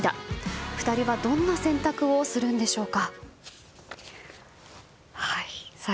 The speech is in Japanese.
２人はどんな選択をするんでしょうか。